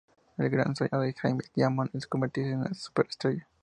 El gran sueño de James Diamond es convertirse en una super estrella.